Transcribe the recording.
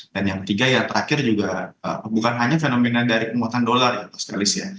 dan yang ketiga yang terakhir juga bukan hanya fenomena dari penguatan dolar ya pak skaris ya